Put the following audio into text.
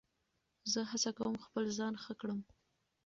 زه هڅه کوم خپل ځان ښه کړم.